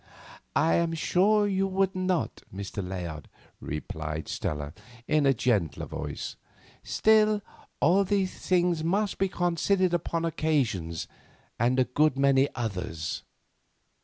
"I am sure you would not, Mr. Layard," replied Stella in a gentler voice, "still these things must be considered upon such occasions and a good many others."